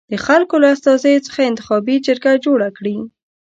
د خلکو له استازیو څخه انتخابي جرګه جوړه کړي.